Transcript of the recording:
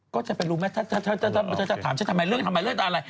ก็จะไปรู้ไหมเธอจะถามฉันทำไมเรื่องทำไมเรื่องอะไร